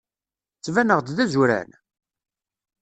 Ttbaneɣ-d d azuran?